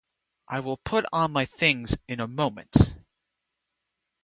I will put on my things in a moment.